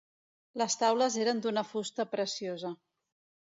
Les taules eren d'una fusta preciosa.